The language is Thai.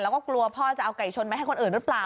แล้วก็กลัวพ่อจะเอาไก่ชนไปให้คนอื่นหรือเปล่า